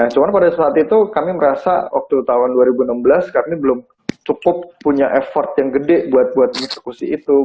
cuma pada saat itu kami merasa waktu tahun dua ribu enam belas kami belum cukup punya effort yang gede buat eksekusi itu